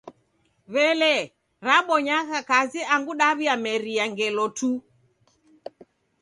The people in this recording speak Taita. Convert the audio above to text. W'elee, rabonyagha kazi angu daw'iameria ngelo tu?